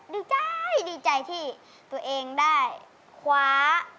ดีใจดีใจที่ตัวเองได้คว้า